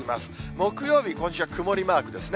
木曜日、今週は曇りマークですね。